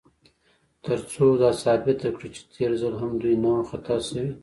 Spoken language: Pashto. تر څو دا ثابته کړي، چې تېر ځل هم دوی نه و خطا شوي.